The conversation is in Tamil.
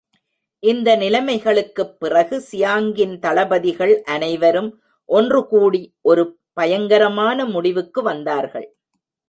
இந்த நிலமைகளுக்குப் பிறகு சியாங்கின் தளபதிகள் அனைவரும் ஒன்றுகூடி ஒரு பயங்கரமான முடிவுக்கு வந்தார்கள்.